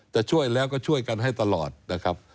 จะช่วยแล้วก็ช่วยกันให้ตลอดนะครับ